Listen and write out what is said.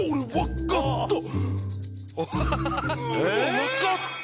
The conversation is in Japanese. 分かった！